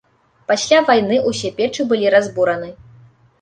Пасля вайны ўсе печы былі разбураны.